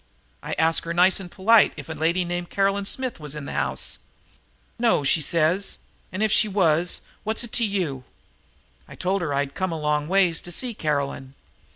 I asked her nice and polite if a lady named Caroline Smith was in the house? 'No,' says she, 'and if she was, what's that to you?' I told her I'd come a long ways to see Caroline.